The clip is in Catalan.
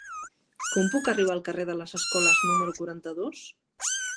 Com puc arribar al carrer de les Escoles número quaranta-dos?